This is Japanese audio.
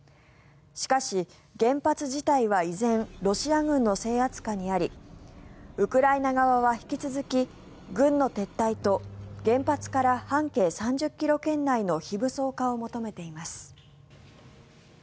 しかし原発自体は依然、ロシア軍の制圧下にありウクライナ側は引き続き軍の撤退と原発から半径３０ｋｍ圏内の非武装化を求めています。